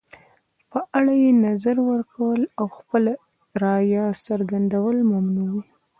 په اړه یې نظر ورکول او خپله رایه څرګندول ممنوع وي.